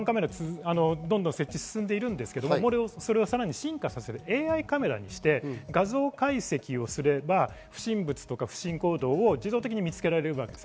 どんどん設置が進んでいますが、さらに進化させるＡＩカメラにして画像解析をすれば不審物、不審行動を自動的に見つけられます。